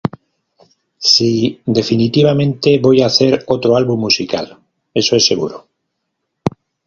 Sí, definitivamente voy a hacer otro álbum musical, eso es seguro".